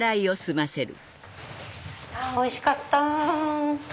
おいしかった！